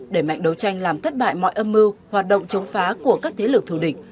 đẩy mạnh đấu tranh làm thất bại mọi âm mưu hoạt động chống phá của các thế lực thù địch